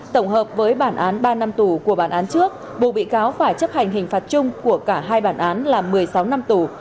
tổng hợp với bản án ba năm tù của bản án trước bộ bị cáo phải chấp hành hình phạt chung của cả hai bản án là một mươi sáu năm tù